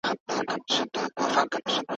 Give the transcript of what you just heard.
کورني تاوتریخوالی د زده کړې مخنیوی کوي.